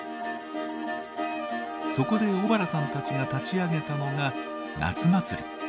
そこで小原さんたちが立ち上げたのが夏祭り。